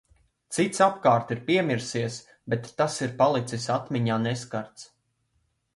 Cits apkārt ir piemirsies, bet tas ir palicis atmiņā neskarts.